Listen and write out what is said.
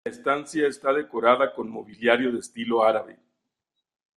La estancia está decorada con mobiliario de estilo árabe.